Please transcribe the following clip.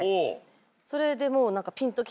それでもう何か。